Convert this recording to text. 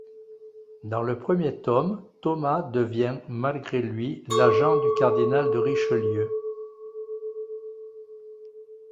Dans le premier tome, Thomas devient malgré lui l’agent du Cardinal de Richelieu.